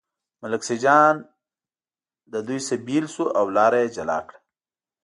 ملک سیدجان له دوی نه بېل شو او لاره یې جلا کړه.